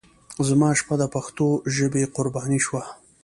زما شپه د پښتو ژبې قرباني شوه.